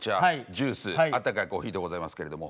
ジュースあったかいコーヒーとございますけれども。